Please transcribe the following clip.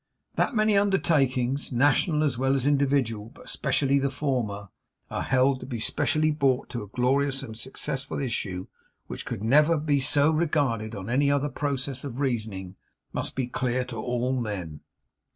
That many undertakings, national as well as individual but especially the former are held to be specially brought to a glorious and successful issue, which never could be so regarded on any other process of reasoning, must be clear to all men.